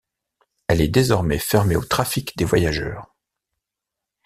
Elle est désormais fermée au trafic des voyageurs.